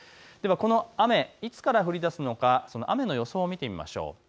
この雨、いつから降りだすのかその雨の予想を見てみましょう。